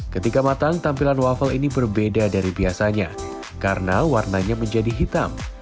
ketika matang tampilan waffle ini berbeda dari biasanya karena warnanya menjadi hitam